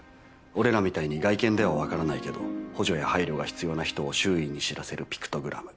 俺らみたいに外見では分からないけど補助や配慮が必要な人を周囲に知らせるピクトグラム。